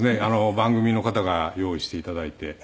番組の方が用意して頂いて。